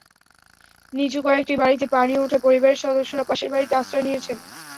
নিচু কয়েকটি বাড়িতে পানি ওঠায় পরিবারের সদস্যরা পাশের বাড়িতে আশ্রয় নিয়েছেন।